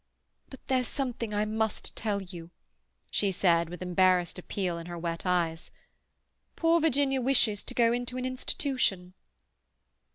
"But there's something I must tell you," she said, with embarrassed appeal in her wet eyes. "Poor Virginia wishes to go into an institution."